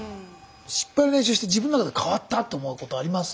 失敗の練習して自分の中で変わったと思うことあります？